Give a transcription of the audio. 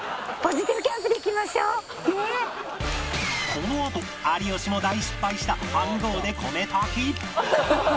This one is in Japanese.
このあと有吉も大失敗した飯ごうで米炊き